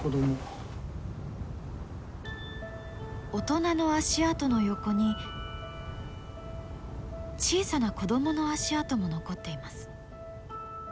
大人の足跡の横に小さな子どもの足跡も残っています。